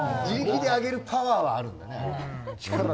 自力で上げるパワーはあるんだね。